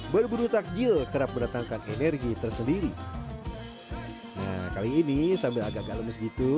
berburu takjil kerap mendatangkan energi tersendiri kali ini sambil agak galem segitu